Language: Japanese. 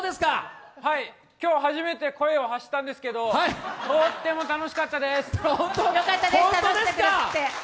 今日初めて声を発したんですけど、とーっても楽しかったです。